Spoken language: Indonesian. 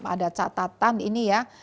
ada catatan ini ya